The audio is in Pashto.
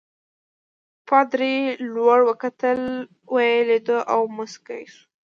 پادري لوړ وکتل ویې لیدو او مسکی شو.